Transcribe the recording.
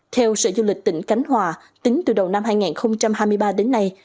theo sở du lịch tỉnh cánh hòa tính từ đầu năm hai nghìn hai mươi ba đến nay